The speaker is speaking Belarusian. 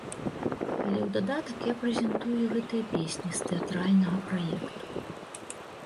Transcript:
Але ў дадатак я прэзентую і гэтыя песні з тэатральнага праекту.